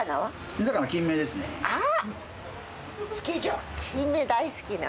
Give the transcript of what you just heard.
あっ！